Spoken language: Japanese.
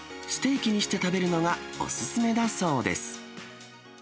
ステーキにして食べるのがお勧めだそうです。